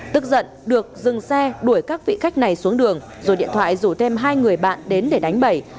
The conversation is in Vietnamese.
tức giận được dừng xe đuổi các vị khách này xuống đường rồi điện thoại rủ thêm hai người bạn đến để đánh bẩy